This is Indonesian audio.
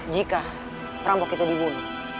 jika perampok itu dibunuh